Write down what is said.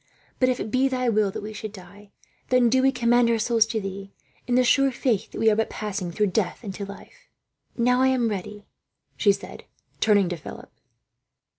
But if it be Thy will that we should die, then do we commend our souls to Thee; in the sure faith that we are but passing through death into life. "Now I am ready," she said, turning to Philip.